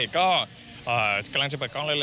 ก็กำลังจะเปิดกล้องเร็วนี้ค่ะ